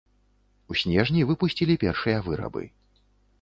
У снежні выпусцілі першыя вырабы.